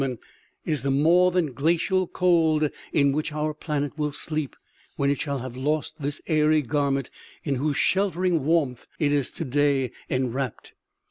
men, is the more than glacial cold in which our planet will sleep when it shall have lost this airy garment in whose sheltering warmth it is today enwrapped.